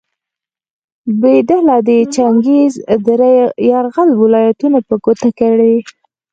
ب ډله دې د چنګیز د یرغل ولایتونه په ګوته کړي.